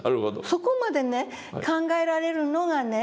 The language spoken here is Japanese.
そこまでね考えられるのがね